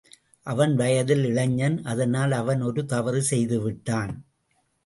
அவன் வயதில் இளைஞன், அதனால் அவன் ஒரு தவறு செய்துவிட்டான்.